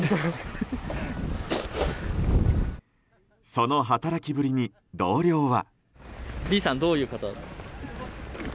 その働きぶりに同僚は。